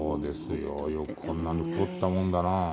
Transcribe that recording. よくこんなに太ったもんだな。